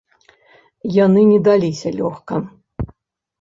Яны не даліся лёгка.